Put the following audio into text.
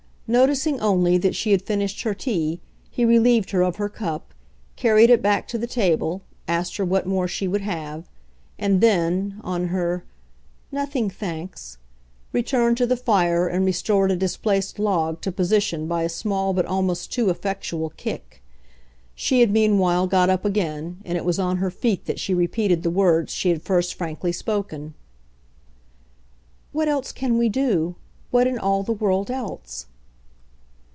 Noticing only that she had finished her tea, he relieved her of her cup, carried it back to the table, asked her what more she would have; and then, on her "Nothing, thanks," returned to the fire and restored a displaced log to position by a small but almost too effectual kick. She had meanwhile got up again, and it was on her feet that she repeated the words she had first frankly spoken. "What else can we do, what in all the world else?"